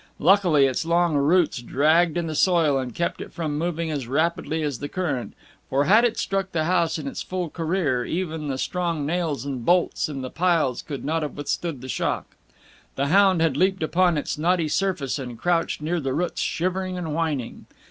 Luckily its long roots dragged in the soil and kept it from moving as rapidly as the current, for had it struck the house in its full career, even the strong nails and bolts in the piles could not have withstood the shock. The hound had leaped upon its knotty surface, and crouched near the roots shivering and whining.